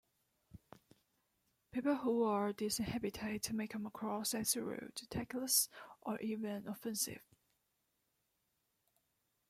People who are disinhibited may come across as rude, tactless or even offensive.